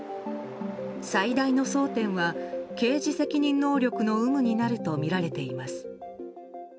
最大の争点は刑事責任能力の有無になるとみられています。